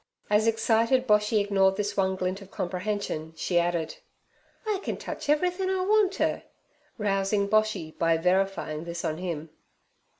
As excited Boshy ignored this one glint of comprehension, she added: 'I can touch everythin' I want t" rousing Boshy by verifying this on him.